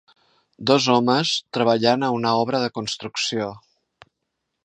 Dos homes treballant a una obra de construcció.